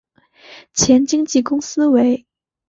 前经纪公司为。